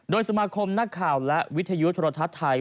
โดยสมาคมนักข่าวและวิทยุโทรทัศน์ไทย